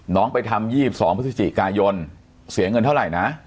ไปทำ๒๒พฤศจิกายนเสียเงินเท่าไหร่นะ